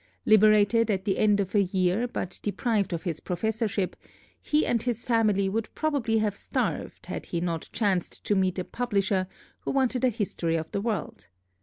Liberated at the end of a year, but deprived of his professorship, he and his family would probably have starved had he not chanced to meet a publisher who wanted a history of the world.